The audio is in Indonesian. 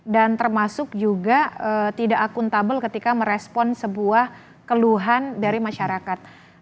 dan termasuk juga tidak akuntabel ketika merespon sebuah keluhan dari masyarakat